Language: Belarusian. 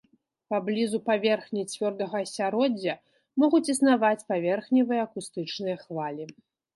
Паблізу паверхні цвёрдага асяроддзя могуць існаваць паверхневыя акустычныя хвалі.